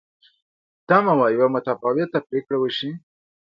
تمه وه یوه متفاوته پرېکړه وشي.